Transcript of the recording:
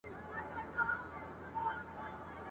ته به یې او زه به نه یم !.